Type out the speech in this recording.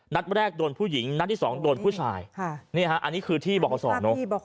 นัดแรกโดนผู้หญิงนัดที่๒โดนผู้ชายนี่ฮะอันนี้คือที่บอกขอสอเนอะ